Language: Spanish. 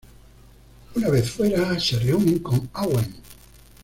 Una vez fuera, se reúnen con Owen.